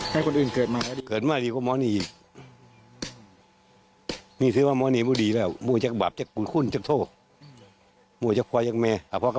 แล้วทำไมคุณต้องฆ่าแม่ครับมันจะขายงั่ว